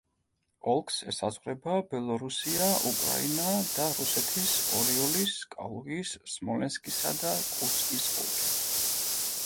ოლქს ესაზღვრება ბელორუსია, უკრაინა და რუსეთის ორიოლის, კალუგის, სმოლენსკისა და კურსკის ოლქები.